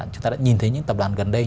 chúng ta đã nhìn thấy những tập đoàn gần đây